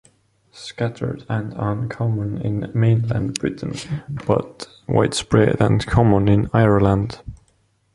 Scattered and uncommon in mainland Britain but widespread and common in Ireland.